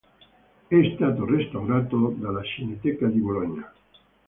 È stato restaurato dalla Cineteca di Bologna.